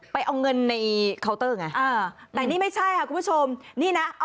ไปเอาเงินในเคาน์เตอร์ไงอ่าแต่นี่ไม่ใช่ค่ะคุณผู้ชมนี่นะ